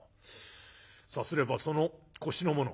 さすればその腰のもの